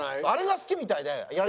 あれが好きみたいで。